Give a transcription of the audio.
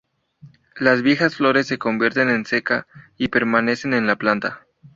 Las viejas flores se convierten en seca y permanecen en la planta.